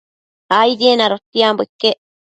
Aidien adotiambo iquec